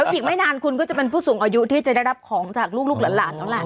เดี๋ยวอีกไม่นานคุณจะเป็นผู้สูงอายุที่จะได้รับของจากลูกหลาน